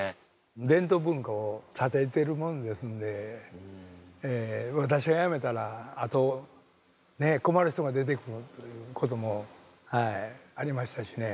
伝統文化を支えてるもんですんで私がやめたらあと困る人が出てくるということもありましたしね。